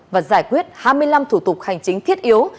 và giải quyết hai mươi năm thủ tục hành chính thiết yếu